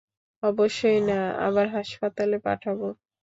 অবশ্যই না, আবার হাসপাতালে পাঠাবো?